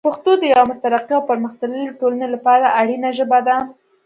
پښتو د یوه مترقي او پرمختللي ټولنې لپاره اړینه ژبه ده.